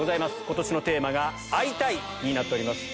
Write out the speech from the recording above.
今年のテーマが「会いたい！」になっております。